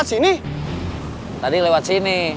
tadi lewat sini